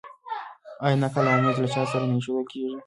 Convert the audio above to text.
آیا نقل او ممیز له چای سره نه ایښودل کیږي؟